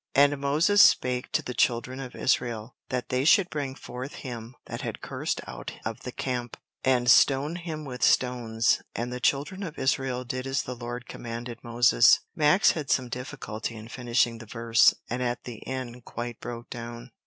"'And Moses spake to the children of Israel, that they should bring forth him that had cursed out of the camp, and stone him with stones; and the children of Israel did as the Lord commanded Moses.'" Max had some difficulty in finishing the verse, and at the end quite broke down.